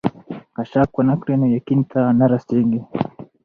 که شک ونه کړې نو يقين ته نه رسېږې.